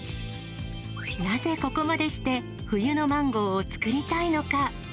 なぜここまでして、冬のマンゴーを作りたいのか。